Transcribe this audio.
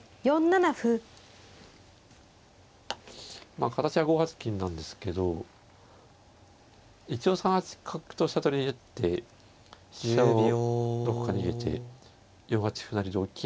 まあ形は５八金なんですけど一応３八角と飛車取りに打って飛車をどこか逃げて４八歩成同金